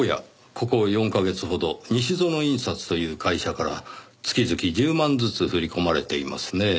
ここ４カ月ほどニシゾノ印刷という会社から月々１０万ずつ振り込まれていますねぇ。